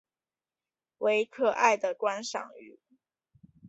为可爱的观赏鱼。